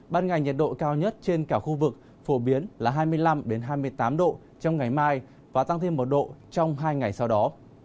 ban ngày nhiệt độ cao nhất trên cả khu vực phổ biến là hai mươi năm hai mươi tám độ trong ngày mai và tăng thêm một độ trong hai ngày sau đó